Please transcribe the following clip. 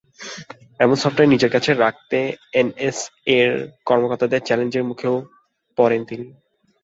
এমন সফটওয়্যার নিজের কাছে রাখতে এনএসএর কর্মকর্তাদের চ্যালেঞ্জের মুখেও পড়েন তিনি।